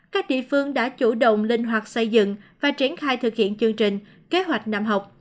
các địa phương đã chủ động linh hoạt xây dựng và triển khai thực hiện chương trình kế hoạch năm học